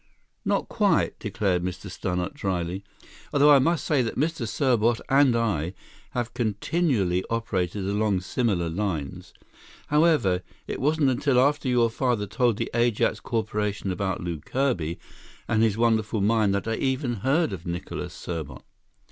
"Not quite," declared Mr. Stannart dryly, "although I must say that Mr. Serbot and I have continually operated along similar lines. However, it wasn't until after your father told the Ajax Corporation about Lew Kirby and his wonderful mine that I even heard of Nicholas Serbot."